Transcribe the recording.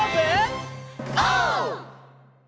オー！